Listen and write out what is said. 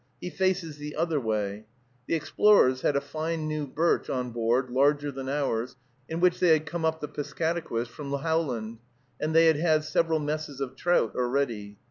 He faces the other way. The explorers had a fine new birch on board, larger than ours, in which they had come up the Piscataquis from Howland, and they had had several messes of trout already.